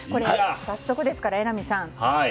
早速ですが、榎並さん